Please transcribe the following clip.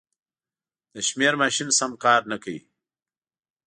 د شمېر ماشین سم کار نه کوي.